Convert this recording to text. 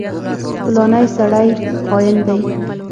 فلانی سړی خاين دی.